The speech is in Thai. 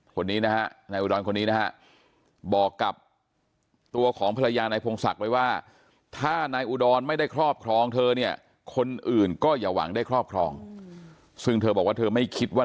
คนนี้นะฮะนายอุดรคนนี้นะฮะบอกกับตัวของภรรยานายพงศักดิ์ไว้ว่า